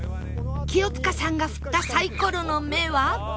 清塚さんが振ったサイコロの目は